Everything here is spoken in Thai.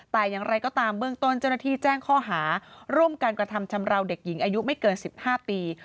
แต่อย่างไรก็ตามเบื้องต้นเจ้าหน้าที่แจ้งข้อหาร่วมการกระทำชำราวเด็กหญิงอายุไม่เกิน๑๕ปี